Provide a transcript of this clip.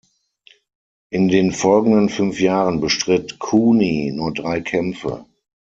In den folgenden fünf Jahren bestritt Cooney nur drei Kämpfe.